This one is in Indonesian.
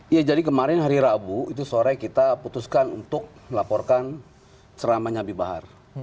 iya jadi kemarin hari rabu itu sore kita putuskan untuk melaporkan ceramanya habib bahar